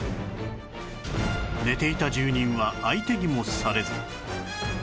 寝ていた住人は相手にもされず